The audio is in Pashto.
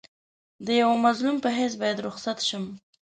د یوه مظلوم په حیث باید رخصت شم.